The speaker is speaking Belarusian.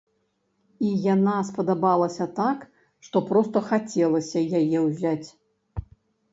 І яна спадабалася так, што проста хацелася яе ўзяць!